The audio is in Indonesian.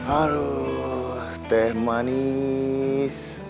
aduh teh manis